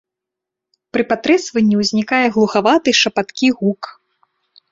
Пры патрэсванні ўзнікае глухаваты шапаткі гук.